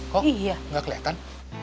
kok gak keliatan